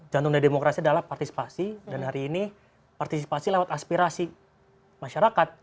jantung dari demokrasi adalah partisipasi dan hari ini partisipasi lewat aspirasi masyarakat